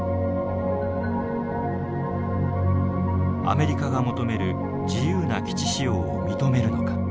アメリカが求める自由な基地使用を認めるのか。